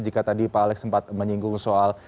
jika tadi pak alex sempat menyinggung soal